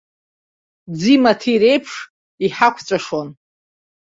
Ӡи-маҭи реиԥш иҳақәҵәашон.